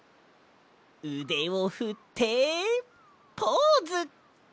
うでをふってポーズ！